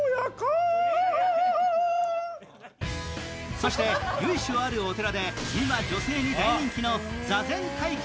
そして由緒あるお寺で今、女性に大人気の座禅体験。